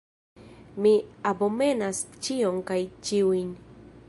Mi abomenas ĉion kaj ĉiujn!